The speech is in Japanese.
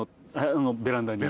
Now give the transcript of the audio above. ベランダに。